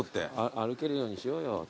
「歩けるようにしようよ」っつって。